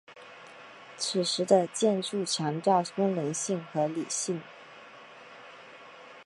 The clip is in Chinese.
此时的建筑强调功能性和理性。